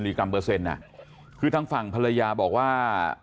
๑๘๐มิลลิกรัมเปอร์เซ็นต์นะคือทั้งฝั่งภรรยาบอกว่า